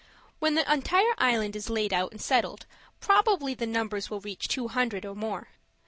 When the entire island is laid out and settled, probably the numbers will reach two hundred or more.